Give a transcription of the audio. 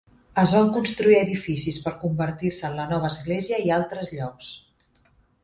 Es van construir edificis per convertir-se en la nova església i altres llocs.